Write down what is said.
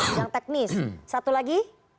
bidang teknis satu lagi